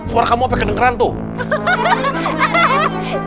suara kamu apa yang kedengeran tuh